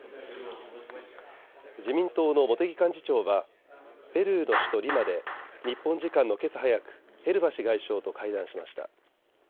自民党の茂木幹事長はペルーの首都リマで日本時間のけさ早くヘルバシ外相と会談しました。